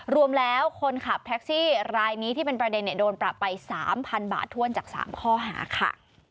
รวมแล้วคนขับแท็กซี่รายนี้ที่เป็นประเด็นโดนปรับไป๓๐๐บาทถ้วนจาก๓ข้อหาค่ะ